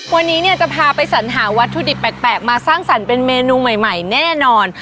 วันนี้เนี่ยจะพาไปสัญหาวัตถุดิบแปลกมาสร้างสรรค์เป็นเมนูใหม่แน่นอน